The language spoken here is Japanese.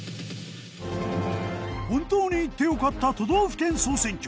本当に行って良かった都道府県総選挙。